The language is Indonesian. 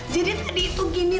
jadi tadi itu gini